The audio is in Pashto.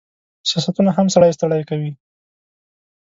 سیاستونه هم سړی ستړی کوي.